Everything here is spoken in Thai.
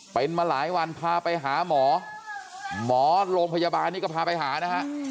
เป็นมาหลายวันพาไปหาหมอหมอโรงพยาบาลนี่ก็พาไปหานะฮะ